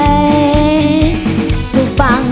เรียกประกันแล้วยังคะ